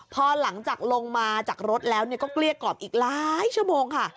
พอหลังจากลงมาจากรถแล้วก็เกลี้ยกรอบอีกหลายชั่วโมงค่ะ